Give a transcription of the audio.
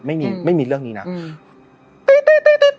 ไม่มีเหตุการณ์แล้วก็ไม่มีอะไร